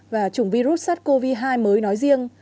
và chủng virus sars cov hai mới nói riêng